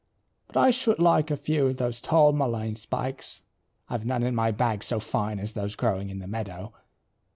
But I should like a few of those tall mullein spikes. I've none in my bag so fine as those growing in the meadow."